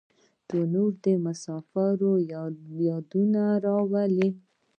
تنور د مسافر یادونه راولي